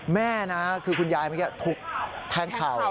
แม่นะคือคุณยายเมื่อกี้ถูกแทงเข่า